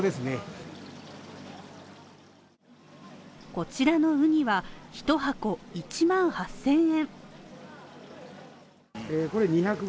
こちらのウニは一箱１万８０００円。